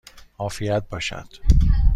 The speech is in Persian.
عافیت باشد!